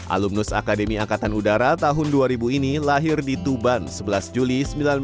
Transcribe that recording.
alumnus akademi angkatan udara tahun dua ribu ini lahir di tuban sebelas juli seribu sembilan ratus enam puluh